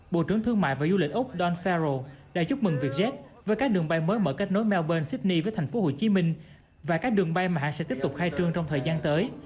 bộ trưởng thương mại và du lịch úc don faro đã chúc mừng việc chết với các đường bay mới mở kết nối melbourne sydney với thành phố hồ chí minh và các đường bay mà hẳn sẽ tiếp tục khai trương trong thời gian tới